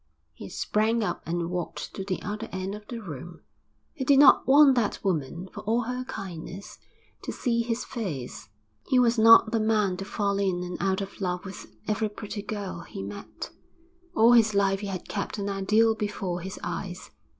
He sprang up and walked to the other end of the room. He did not want that woman, for all her kindness, to see his face. He was not the man to fall in and out of love with every pretty girl he met. All his life he had kept an ideal before his eyes.